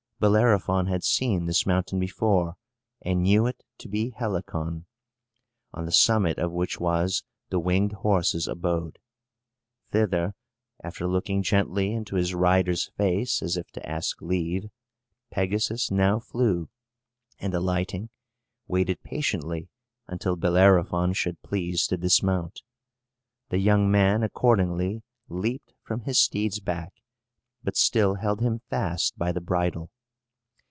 Bellerophon had seen this mountain before, and knew it to be Helicon, on the summit of which was the winged horse's abode. Thither (after looking gently into his rider's face, as if to ask leave) Pegasus now flew, and, alighting, waited patiently until Bellerophon should please to dismount. The young man, accordingly, leaped from his steed's back, but still held him fast by the bridle.